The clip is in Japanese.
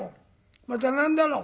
また何だろ？